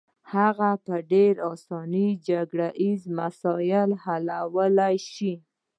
هغه په ډېره اسانۍ جګړه ییز مسایل حلولای شي.